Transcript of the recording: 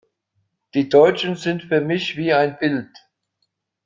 Die Deutschen sind für mich wie ein Bild.